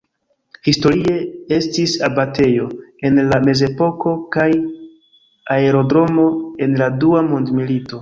Historie estis abatejo en la Mezepoko kaj aerodromo en la Dua mondmilito.